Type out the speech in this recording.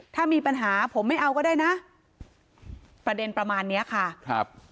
ถ้ามีปัญหาผมไม่เอาก็ได้นะประเด็นประมาณเนี้ยค่ะครับ